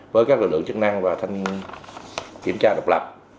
với các lực lượng chức năng và thanh kiểm tra độc lập